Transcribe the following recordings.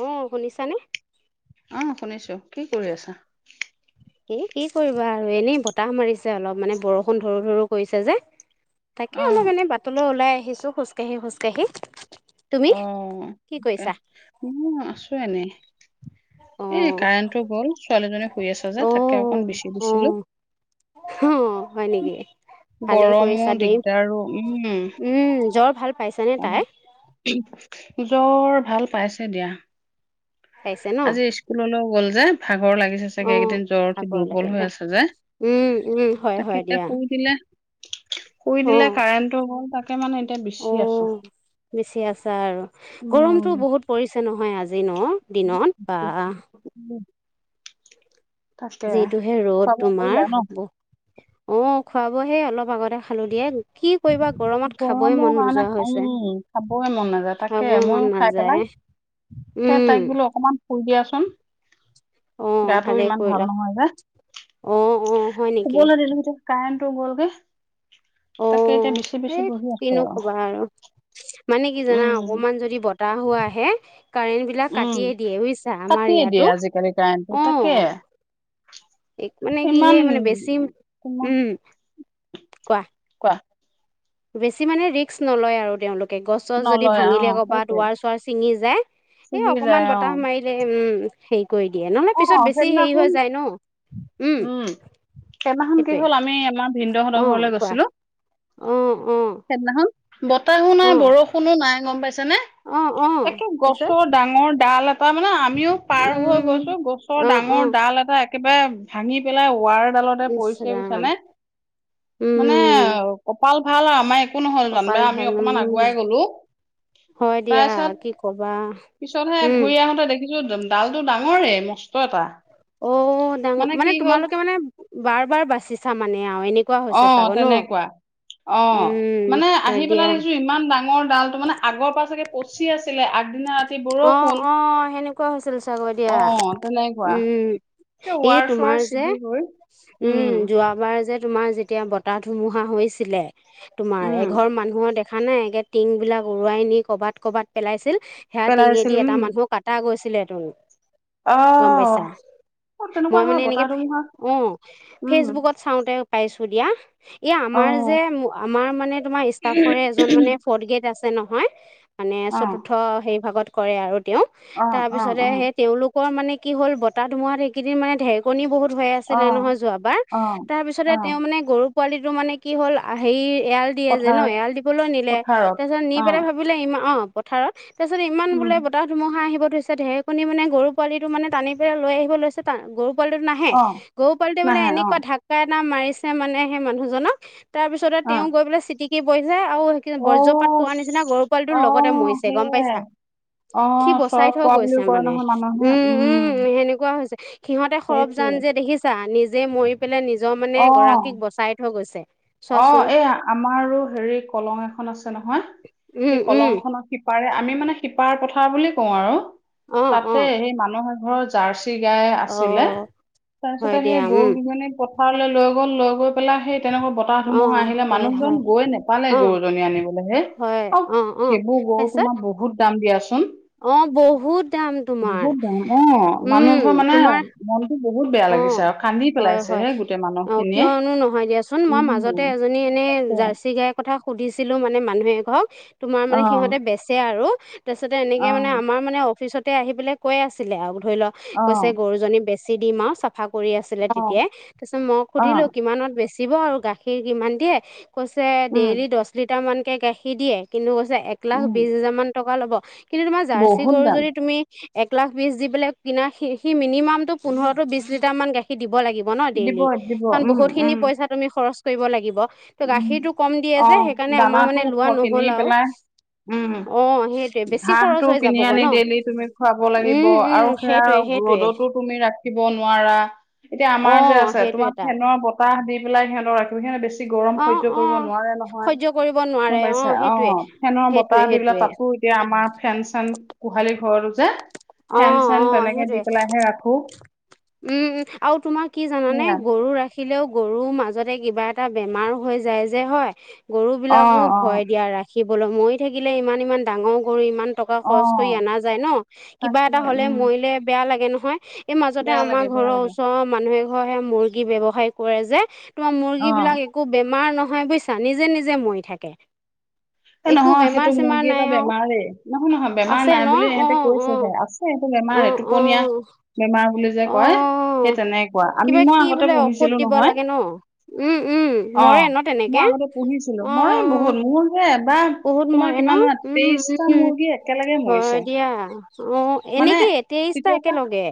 অঁ শুনিছানে? অহ' শুনিছোঁ। কি কৰি আছা? এ কি কৰিবা আৰু এনেই বতাহ মাৰিছে অলপ মানে বৰষুণ ধৰো ধৰো কৰিছে যে। তাকে অলপ অ', এনে বাটলৈ ওলাই আহিছোঁ, খোজকাঢ়ি খোজকাঢ়ি। তুমি অ, কি তাকে কৰিছা মও আছোঁ এনেই। অ এ কাৰেণ্টটো গ'ল ছোৱালীজনী শুই আছ যে, তাকে অকণ বিচি দিছিলোঁ। অহ ', গৰমো দিগদাৰো উম, উম জ্বৰ ভাল পাইছেনে অ, তাই জ্বৰ ভাল পাইছে দিয়া, পাইছে ন আজি স্কুললৈ গ'ল যে। ভাগৰ লাগিছে অ চাগে। এইকেইদিন জ্বৰ উঠি ভাগৰ দুৰ্বল হৈ লাগিলে আছে যে। উম উম হয় তাকে, হয় এতিয়া দিয়া শুই দিলে। শুই অ দিলে কাৰেণ্টটো গ'ল তাকে মানে এতিয়া অ বিচি আছোঁ। বেছি আছা আৰু গৰমটো বহুত পৰিছে নহয় আজি ন? দিনত বা। তাকে যিটোহে খোৱা ৰ'দ বোৱা তোমাৰ কৰিলা ন? ব অ, খোৱা বোৱা সেই অলপ আগতে খালোঁ দিয়া। গৰমৰ কাৰণে হৈছে উম, খাৱই মন নাযায় তাকে খাবই মইয়ো মন খাই নাযায় পেলাই সে তাইক বোলো অকনমান শুই দিয়াচোন। অঁ গাটো ভালেই ইমান ভাল কৰিলা নহয় যো অঁ অঁ হয় নেকি শুবলৈ দিলো এতিয়া কাৰেণ্টো গ'লগে। অ, তাকে এতিয়া বিচি বিচি সেই বহি আছো কিনো কবা আৰু মানে কি জানা উম অকমান যদি ব তাহো আহে কাৰেণ্ট বিলাক উম কাটিয়ে দিয়ে বুজিছা আমাৰ কাটিয়ে দিয়ে ইয়াতো আজিকালি কাৰেণ্টটো অ, তাকে এক মানে কি ইমান সেই মানে বেছি তোমাৰ উম, কোৱা? অ বেছি মানে ৰিস্ক নলয় আৰু তেওঁলোক গছ গছ যদি নলয় অ ভাঙিলে কৰ'ৰবাত সেইটোৱে ৱাৰ চুৱাৰ ছিঙি যায় এ ছিগি যায় অকমান বতাহ মাৰিলে, উম। হেৰি কৰি দিয়ে। নহলে অ অ পিছত বেছি হেৰি সেইদিনাখন হৈ যায় ন! উম। সেইদিনাখন কি সেইটোৱে। হ'ল আমি আমাৰ ভিনদেউহঁতৰ ঘৰলৈ অ' কোৱা, গৈছিলো অ-অ! সেইদিনাখন বতাহো নাই, বৰষুণো নাই। গম পাইছে নে? অ অ একে তাৰপিছত গছৰ ডাঙৰ ডাল এটা মানে, আমিও পাৰ হৈ উম গৈছো। গছৰ অ অ ডাঙৰ ডাল এটা, একেবাৰে ভাঙি পেলাই ওৱাৰ দালতে ইচ পৰিছে। ৰাম বুইছানে? মানে উম কপাল ভাল আৰু আমাৰ এক একো নহয় জানিবা। কপাল আমি ভাল উম অকণমান আগুৱাই গ'লো। হয় তাৰ দিয়া পিছত, কি কবা পিছতহে উম ঘূৰি আহোতে দেখি ডালটো ডাঙৰে, মস্ত এটা। অ' ডাঙ, কি মানে হ'ল তোমালোকে মানে বাৰ-বাৰ বাচিছা মানে? এয়াও, এনেকুৱা অ হৈছে চাগৈ ন? তেনেকুৱা অ' উম মানে হয় আহি দিয়া পেলাই দেখিছো, ইমান ডাঙৰ ডালটো। মানে আগৰ পৰা চাগে পছি আছে। অ' অ' হেনেকুৱা হৈছিল চাগৈ অ দিয়া। তেনেকুৱা উম। এই ৱাৰ চোৱাৰ তোমাৰ যে, ছিগি গৈ উম যোৱাবাৰ যে তোমাৰ, যেতিয়া বতাহ ধুমুহা হৈছিলে। তোমাৰ, উম, এঘৰ মানুহৰ দেখ দেখা নাই এগে টিঙ বিলাক উৰুৱাই নি ক'বাত ক'বাত পেলাইছিল সেয়া পেলাই টিঙেদি এটা মানুহৰ কাটা গৈছিল! ছিলেতোন আহ মই মানে এনেকে, অ' উম, ফেচবুকত চাওঁতে পাইছো দিয়া। এ আমাৰ যে, অ', আমাৰ মানে তোমাৰ ইষ্টাফৰে এজন মানে ফ'ৰ্ড গ্ৰেড আছে। নহয়। মানে অ', চতুৰ্থ সেই ভাগত কৰে আৰু তেওঁ অ', অ', তাৰপিছতে অ', সেই তেওঁলোক মানে কি হ'ল, বতাহ ধোমোহাত সেইকিদিন মানে ঢেৰকনি বহুত ধুৱাই আছিলে অ', নহয়, যোৱাবাৰ। অ', তাৰ পিছতে অ', তেওঁ মানে গৰু পোৱালিটো মানে কি হ'ল হেৰি এৰাল দিয়ে যে ন! পথাৰত এৰাল দিবলৈও নিলে পথাৰত তাৰ পিছত নি পেলাই অ', ভাবিলে ইম অ' পথাৰত তাৰপিছত ইমান উম, বোলে, বতাহ ধুমুহা আহিব ছে ঢেৰকণনি মানে গৰু পোৱালিটো মানে টানি পেলাই লৈ আহিব লৈছে। টা গৰু গৰু পোৱালিটো নাহে। অ', গৰু পোৱালিটো বোলে নাহে এনেকুৱা অ', ঢাক্কা এটা মাৰিছে মানে সেই মানুহজনক তাৰ পিছতে আৰু অ', তেওঁ গৈ পেলাই ছিটিকি পৰি আৰু সেই বৰ্জ্ৰপাত অ', পোৱা নিচিনা গৰু পোৱালিটো লগতে অ', মৰিছে। গম পাইছে সেয়াই সি অ', বচাই চক থৈ পোৱা গৈছে বুলিও কয় মানে। নহয় মানুহে উম, উমম সেনেকুৱা হৈছে সিহঁতে সেইটোৱে সৰবজান যে দেখিছা। নিজে মৰি পেলাই নিজৰ মানে অ', গৰাকীক বচাই থৈ গৈছে। অ' চোৱাচোন এ আমাৰো হেৰি, কলং এখন আছে নহয়। উম সেই উম কলং খনৰ সিপাৰে, আমি মানে সিপাৰ পথাৰ বুলি কওঁ আৰু অ অ তাতে সেই মানুহৰ এঘৰৰ জাৰ্চি গাই অ আছিলে। হয় তাৰপিছতে সেই দিয়া উম গৰুকিজনী ক'ত ৰলৈ লৈ গ'ল। লৈ গৈ পেলাই সেই তেনেকুৱা পথা অ বতাহ-ধুমুহা আহিলে হয় মানুহজন হয় গৈ নোপালে অ গৰুজনী আনিবলৈহে অ' সেইবোৰ গৰু তোমাৰ বহুত দাম দিয়াচোন অ বহুত দাম তোমাৰ বহুত ডাঙৰ মানে, উম মানুহৰ মানে তোমাৰ মনটো বহুত বেয়া অ লাগিছে আৰু কান্দি হয় পেলাইছে হয় হে গোটেই মানুহ অঁ খিনিয়ে কিয়নো নহয় দিয়াচোন মই মাজতে এজনী এনে জাৰ্চি গাইৰ কথা সুধিছিলো মানে মানুহ এঘক তোমাৰ মানে অ সিহঁতে বেচে আৰু। তাৰপিছতে এনেকে অ মানে আমাৰ মানে অফিচত তে আহিপেলে কৈ আছিলে আৰু ধৰি লও অ কৈছে গৰুজনী বেছি দিম আও চাফা কৰি আছিলে অ', তেতিয়াই। তাৰপিছত মই অ', সুধিলো- কিমানত বেচিব আৰু গাখীৰ কিমান দিয়ে? কৈছে উম, ডেইলি দহ লিটাৰ মানকে গাখীৰ দিয়ে কিন্তু কৈছে এক লাখ উম, বিশ হাজাৰ মান টকা ল'ব। কিন্তু তুমাৰ জাৰ্চি বহুত গৰু দাম। যদি তুমি এক লাখ বিশ্ দি পেলাই কিনা। সি- সি মিনিমাম টো পোন্ধৰটো বিশ লিটাৰ মান গাখীৰ দিব লাগিব। ব ন দিব, ডেইলি দিব, খন উম, বহুত খিনি উম, পইচা তুমি খৰচ কৰিব লাগিব। ত উম। গাখীৰতটো কম দিয়ে যে অ', সেইকাৰণে আমাৰ দানাটো মানে খ লোৱা কিনি নহ'ল আও। পেলাই, উম, অ সেইটোৱে বেছি ঘাঁহটো খৰচ হৈ কিনি যাব গ আনি ন, ডেইলি তুমি খুৱাব লাগিব উম আৰু উম সেয়া সেইটোৱে সেইটোৱে ৰ'দতো তুমি ৰাখ খিব নোৱাৰা, এতিয়া অ আমাৰ যে আছে সেইটো তোমাক এটা ফেনৰ বতাহ দি পেলাই সিহঁতৰ ৰাখিব সি বেছি গৰম অ সহ্য অ কৰিব নোৱাৰে নহয়। সহ্য কৰিব নোৱাৰে গম পাইছে অ সেইটোৱে ফেনৰ সেইটোৱে বতাহদিবিলাই সেইটোৱে তাত শু এতিয়া আমাৰ ফেন চেন গোহালি ঘৰতো যে অ ফেন চেন অ তেনেকে দি সেইটোৱে পেলাইহে ৰাখো। উম আৰু তোমাৰ কি জানানে সেয়া, গৰু ৰাখ দেখিলেও গৰুৰ মাজতে কিবা এটা বেমাৰ হৈ যায় যে হয় গৰুবিলাকো অ', অ'। ভয় দিয়া ৰাখিবলৈ ময়ি থাকিলে ইমান ইমান ডাঙৰ গৰু ইমান টকা অ খৰচ কৰি অনা যায় ন কিবা তাকে এটা হলে উম মৰিলে বেয়া লাগে নহয়। এই মাজতে বেয়া লাগে আমাৰ বেয়া ঘৰৰ লাগে ওচৰৰ মানুহে ঘৰহে মুৰ্গী ব্যৱসায় কৰে যে তোমাৰ অ মুৰ্গীবিলাক একো বেমাৰ নহয় বুজিছা নিজে নিজে মৰি থাকে। [inaudible] এ একো নহয় বেমাৰ সেইটো চেমাৰ মুৰ্গী নাই এটা আৰু বেমাৰেই নহয় নহয় বেমাৰ আছে ন নাই বুলি অ ইহঁতে অ কৈছেহে আছ এইটো অ বেমাৰ টোপনীয়া বেমাৰ বুলি যে অ কয় সেই অ তেনেকুৱা আমি কিবা মই কি আগতে বোলে ঔষধ পঢ়িছিলো দিব নহয় লাগে ন উম উম অ মৰে ন মই মই তেনেকে আগতে পঢ়িছিলো অ মই বহুত মোৰ এবা বহুত তোমাৰ মৰে ন কিমান মানে উম তেইশটা উম মুৰ্গী একেলগে মৰিছে হয় দিয়া অ মানে এনেকে তেইশটা তেতিয়াৰ পৰা একেলগে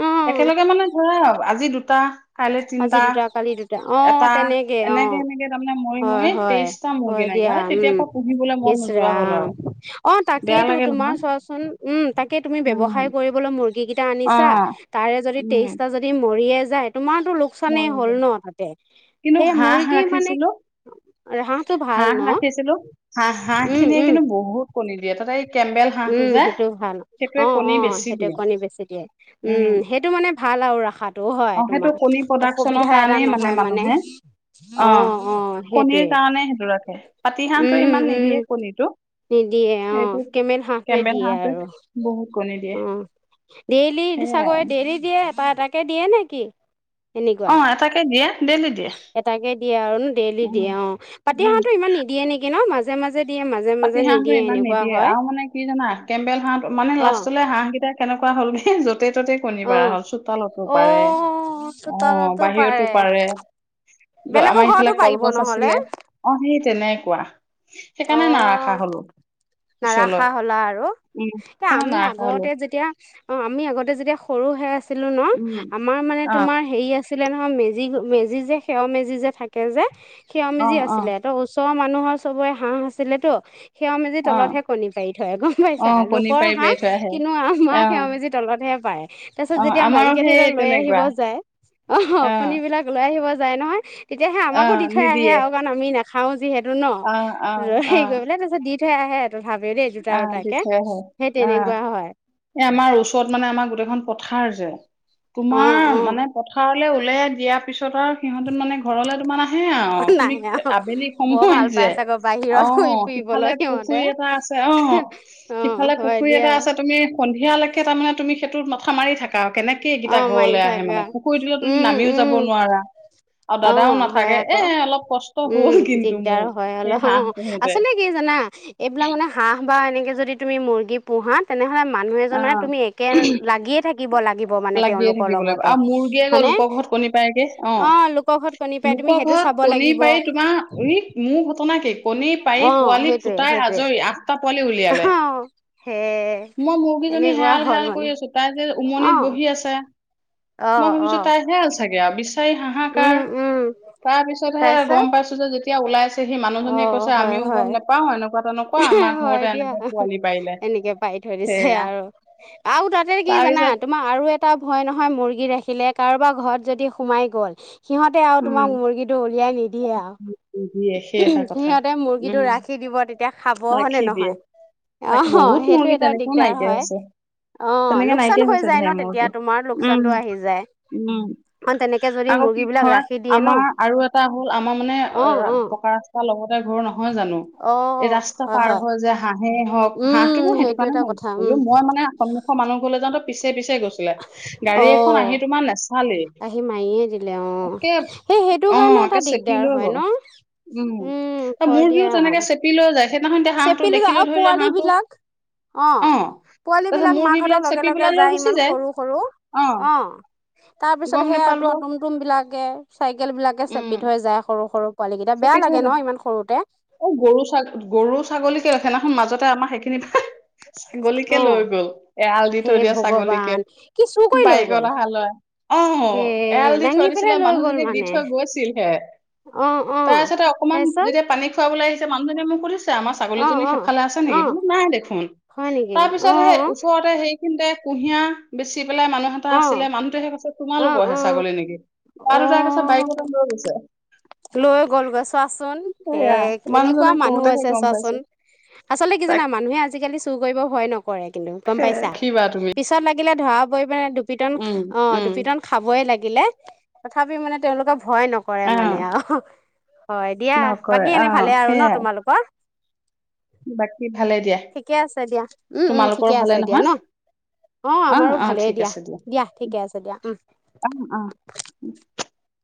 অ একেলগে মানে ধৰা আজি দুটা কাইলৈ আজি তিনটা দুটা কালি দুটা অ এটা তেনেকে অ এনেকে এনেকে তাৰমানে মই হয় মই তেইশটা মুৰ্গী নাই তেতিয়া পা পুহিব ইচ ৰাম অ বেয়া তাকেইটো লাগে তোমাৰ নহয় চোৱাচোন উম তাকে তুমি উম ব্যৱসায় কৰিবলৈ মুৰ গি কেইটা অ আনিছা তাৰে যদি তেইশটা যদি মৰিয়ে যায় তোমাৰ মই যায় কিন্তু সেই হাঁহ মুৰ্গী মানে ৰাখিছিলো হাঁহটো ভাল হাঁহ ন ৰাখিছিলো হাঁহ হাঁহ উম, খিনিয়ে উম, কিন্তু বহুত কণী দিয়ে তাতে এই কেম্বেল হাঁহটো উম যে সেইটো ভাল অ সেইটোৱে কণী অ বেছি সেইটোয়ে দিয়ে কণী বেছি দিয়ে উম সেইটো মানে ভাল আও ৰখাটো হয় অ সেইটো তোমাৰ কণী প্ৰডাকচনৰ অসুবিধা এটা কাৰণেই মানে নহয় মানুহে অ অ', সেইটোৱে। কণীৰ কাৰণে সেইটো ৰাখে পাতি হাঁহটো উম, ইমান উম, নিদিয়ে কণীটো নিদিয়ে অ এইটো কেমেল হাঁহটোৱে কেম্বেল দিয়ে হাঁহটো আৰু বহুত কণী দিয়ে অ ডেইলি সেয়াই চাগৈ ডেইলি দিয়ে এটা এটাকে দিয়ে নেকি অ এটাকে দিয়ে ডেলি দিয়ে এটাকে দিয়ে আৰু ন ডেইলি উম দিয়ে অ পাতি উম হাঁহটোৱে ইমান নিদিয়ে নেকি ন মাজ পাতি হাঁহটো ইমান নিদিয়ে হয়। আও মানে কি জানা কেম্বেল হাঁহ মানে অ', লাষ্টলে হাঁহকেইটা কেনেকুৱা হ'লগে য'তে ত'তেই কণী পাৰ অ', হ'ল চোতালতো পাৰে অ', অ চোতালতো বাহিৰতো পাৰে ত বেলেগৰ আমাৰ ঘৰতো ইফালে পাৰিব কলগছ নহ'লে আছিলে অ সেই তেনেকুৱা সেইকাৰনেে অ' নাৰাখা হলো পিছলৈ নাৰাখা হলা আৰু উম এ সেইকাৰণে আমি নাৰাখা হলো আগতে যেতিয়া অ আমি আগতে যেতিয়া সৰু হৈ আছিলো ন উম আমাৰ মানে অ তোমাৰ হেৰি আছিল ছিলে নহয় মেজি মেজি যে খেৰ মেজি যে থাকে যে খেৰ অ মেজি অ আছিলে চ মানুহৰ চবৰে হাঁহ আছিলে তো খেৱ মেজি অ তলতহে কণী পাৰি থয় গম অ পাইছা কণী লোকৰ পাৰি হাঁহ পাৰি থৈ আহে কিন্তু আমাৰ অ খেৱ মেজি তলত হে তাৰ পিছত অ যেতিয়া আমাৰো মালিকে ধৰি সেই লওক লৈ আহিব তেনেকুৱা যায় অ কণিবলাক লৈ আহিব য যাই নহয় তেতিয়াহে অ আমাকো দি থৈ আহে নিদিয়ে আৰু কাৰণ আমি নাখাও যিহেতু ন অ অ ৰ সেই গৈ বোলে তিছ দি থৈ আহে আৰু আহ দি থ হয় আহ তেনেকুৱা হয় এই আমাৰ ওচৰত মানে আমাৰ গোটেইখন পথাৰ যে অ', তোমাৰ অ', মানে পথাৰলে ওলাই দিয়াৰ পিছত তিছত আৰু সিহঁত মানে ঘৰলৈ তোমাৰ আহে অ তুমি নাহে আৰু আবেলি বৰ সময় ভাল পাই যে চাগৈ অ বাহিৰত ঘূৰি অ সিফালে ফুৰিবলৈ সিহঁতে পুখুৰী এটা আছে অ অ', সিফালে হয় পুখুৰী দিয়া এটা আছে তুমি সন্ধিয়ালৈকে তাৰমানে তুমি সেইটোত মাথা মাৰি থাকা কেনেকে এইকেইটা অ', মাৰি ঘৰলৈ আহে থাকা মানে পুখুৰীটোলে তুমি উম, নামিও উম, যাব নোৱাৰা আৰু দাদাও অ', হয় নাথাকে এ আকৌ অলপ কষ্ট উম, হ'ল কিন্তু মোৰ সেই হাঁহ পোহোতে ন এইবিলাক মানে হ বা এনেকে যদি তুমি মুৰ্গী পোহা তেনেহ'লে মানুহ এজনে অ তুমি একে লাগিয়ে থাকিব লাগিব মানে লাগিয়ে তেওঁলোকৰ থাকিব লাগিব লগতে আৰু মুৰ্গীয়ে গৈ হয়নে লোকৰ ঘৰত কণী পায়গে অ লোকৰ ঘৰত কণী পাই তুমি লোকৰ সেইটো ঘৰত চাব কণীৰ লাগিব পাৰি তোমাৰ উ মোৰ ঘটনা কি কণী পাৰি অ পোৱালী সেইটোৱে ফুটাই সেইটোৱে আজৰি আঠটা পোৱালি উলিয়ালে অ হে মই মুৰ্গীজনী এনেকুৱা হেৰাল হ'ল হেৰাল কৰি মানে আছো তাই যে অ উমনিত বহি আছে অ মই অ ভাবিছো তাহেল চাগে আ বিছ ছাৰি হাকাৰ উম উম তাৰ পিছতহে গম তাৰপিছত পাইছো যে যেতিয়া ওলাই সেই অ মানুহজনীয়ে কৈছে হয় আমিও গম হয় নাপাও এনেকুৱা তেনেক কোৱা আমাৰ ঘৰত হয় দিয়া এনেকে পোৱালি পাৰিলে। এনেকে পাৰি থৈ দিছে সেয়া আৰু আও তাতে কি জানা তাৰপিছত তোমাৰ আৰু এটা ভয় নহ য় মুৰ্গী ৰাখিলে কাৰোবাৰ ঘৰত যদি সোমাই গ'ল সিহঁতে আও উম তোমাক মুৰ্গীটো উলিয়াই নিদিয়ে আও। দিয়ে সেই এটা কথা সিহঁতে উম মুৰ্গীটো ৰাখি দিব তেতিয়া খাব হয় নে ৰাখি দিয়ে নহয়? অ তাক অ বহুত সেইটো মুৰ্গী এটা তেনেকেও দিগদাৰ নাইকিয়া হয়। হৈছে অ তেনেকে লোকচান নাইকিয়া হৈ হৈছে যায় ন ধেৰ তেতিয়া মুৰ্গী। তোমাৰ উম লোকচানটো আহি যায়। উম। অ তেনেকে যদি আকৌ কি মুৰ্গী বিলাক হয় ৰাখ আমাৰ আৰু এটা হ'ল আমাৰ মানে অ অ পকা ৰাস্তাৰ লগতে ঘৰ নহয় জানো? অ। এই ৰাস্তা হয় পাৰ হয় হ'ল যে হা হে হওক হাঁহটো উম মো সেইটো কাৰণে এটা ন কথা কৰিলো উম মই মানে সন্মুখৰ মানুহ ঘৰলে যাওঁতে পিছে পিছে গৈছিলে গাড়ী অ এখন আহি তোমাৰ নেচালেই আহি মায়ীয়ে দিলে অ। তে সেই সেইটো অ কাৰণে এটা কে চেপি দিগদাৰ লৈ হয় গ'ল। ন উম হয় দিয়া মুৰ্গীও তেনেকে চেপি লৈ যায় সেইদিনাখন এতিয়া হাঁহটো চেপিলি যায় দেখিলো আৰু ধৰি লোৱা পোৱালী হাঁহটো বিলাক অ তাৰপিছত পোৱালীবিলাক মুৰ্গী মাক হতৰ বিলাক লগে চেপি লগে পেলাই লৈ যায় গুচি ইমান সৰু সৰু অ গম তাৰপিছত সেইয়া আৰু নেপালো তোমাৰ টুম টুমবিলাকে চাইকেলবিলাকে উম চেপি থৈ যায় সৰু সৰু পোৱালী কেইটা বেয়া লাগে ন ইমান সৰুতে এ গৰু ছাগ গৰু ছাগলীক কেলে সেইদিনাখন মাজতে আমাৰ সেইখিনি ছাগলীকে অ লৈ গ'ল, এৰাল দি হে থৈ দিয়া ছাগলীকে, ভগৱান কি চুৰ কৰি লৈ গ'ল বাইকত অহা ল'ৰাই। হে অ', এৰাল দি দাঙি থৈ পেলাই দিছিলে লৈ গ'ল মানুহজনীয়ে দি মানে থৈ গৈছিলহে অ অ তাৰপিছতে অকমান তাৰপিছত যেতিয়া পানী খুৱাবলৈ আহিছে মানুহজনীয়ে মোক সুধিছে আমাৰ অ ছাগলীজনী অ সেইফালে আছে অ নেকি? বোলো নাই দেখোন, হয় নেকি তাৰ অ পিছত হেই অ ওচৰতে হেই খিন্তে কুঁহিয়া বেচি পেলাই মানুহ এটা অ আছিলে, মানুহটোৱেহে কৈছে অ তোমালোকৰহে ছাগলী নেকি? ল'ৰা অ দুটাই কৈছে বাইকতে লৈ গৈছে। লৈ গ'লগৈ চোৱাচোন, হে সেয়া কেনেকুৱা মানুহজনে মানুহ কওঁতেহে আছে গম চোৱাচোন, পাইছো আচলতে কি জানা তাকে মানুহে আজিকালি চুৰ কৰিব ভয় নক কৰে কিন্তু গম পাইছা, ৰাখিবা তুমি পিছত লাগিলে ধৰা পৰি পেনাই দুপিটন, উম অ' উম দুপিটন খাবই লাগি তথাপি মানে তেওঁলোকে ভয় নকৰে আহ মানে আও হয় দিয়া, নকৰে বাকী এনে আহ ভালে আৰু ন সেয়াই তোমালোকৰ? বাকী ভালে দিয়া, ঠিকে আছে দিয়া উম উম তোমালোকৰ ঠিকে ভালে আছে দিয়া ন নহয়? অ', আমাৰো অ', ভালেই ঠিক আছে দিয়া, ঠিকে আছে দিয়া অ, অ। [inaudible]